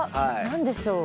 何でしょう？